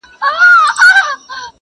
o بېګا خوب وینمه تاج پر سر پاچا یم,